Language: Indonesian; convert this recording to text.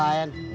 gak ada sih